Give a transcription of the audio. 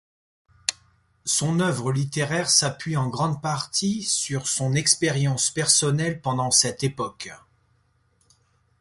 Son œuvre littéraire s'appuie en grande partie sur son expérience personnelle pendant cette époque.